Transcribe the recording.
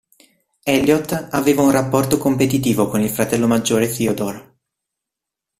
Elliott aveva un rapporto competitivo con il fratello maggiore Theodore.